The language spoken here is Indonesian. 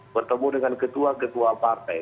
bertemu dengan ketua ketua partai